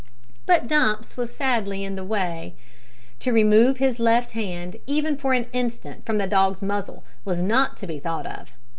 But Dumps was sadly in the way. To remove his left hand even for an instant from the dog's muzzle was not to be thought of.